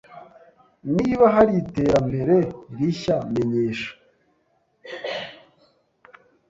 Niba hari iterambere rishya, menyesha.